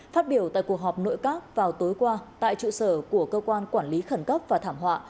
phát biểu tại cuộc họp nội các vào tối qua tại trụ sở của cơ quan quản lý khẩn cấp và thảm họa